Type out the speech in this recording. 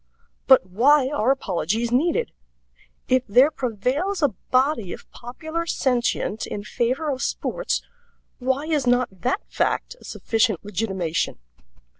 But why are apologies needed? If there prevails a body of popular sentient in favor of sports, why is not that fact a sufficient legitimation?